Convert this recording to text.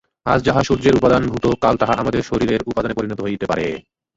আজ যাহা সূর্যের উপাদানভূত, কাল তাহা আমাদের শরীরের উপাদানে পরিণত হইতে পারে।